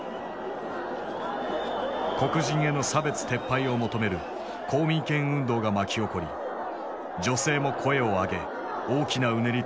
黒人への差別撤廃を求める公民権運動が巻き起こり女性も声を上げ大きなうねりとなった。